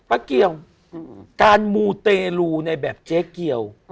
เกี่ยวการมูเตรลูในแบบเจ๊เกียว